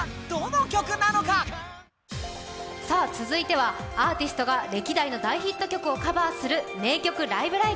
続いてはアーティストが歴代の大ヒット曲をカバーする「名曲ライブ！